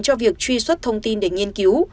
cho việc truy xuất thông tin để nghiên cứu